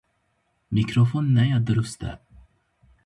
Mîkrofon neya dirust e.